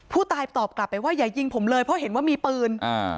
ผู้ตายตอบกลับไปว่าอย่ายิงผมเลยเพราะเห็นว่ามีปืนอ่า